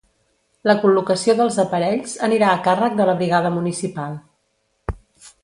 La col·locació dels aparells anirà a càrrec de la brigada municipal.